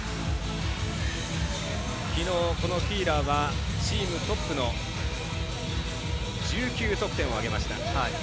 きのう、このフィーラーはチームトップの１９得点を挙げました。